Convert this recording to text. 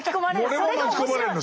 俺も巻き込まれるの？